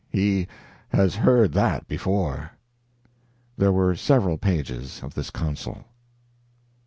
He has heard that before." There were several pages of this counsel.